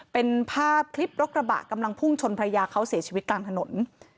เป็นภาพคลิปรถกระบะกำลังพุ่งชนภรรยาเขาเสียชีวิตกลางถนน